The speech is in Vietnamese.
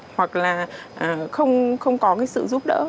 hoặc là không có sự giúp đỡ